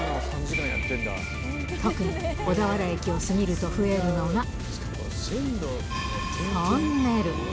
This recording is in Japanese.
特に小田原駅を過ぎると増えるのが、トンネル。